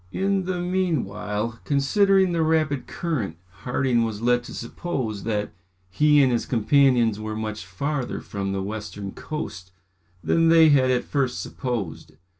In the meanwhile, considering the rapid current Harding was led to suppose that he and his companions were much farther from the western coast than they had at first supposed.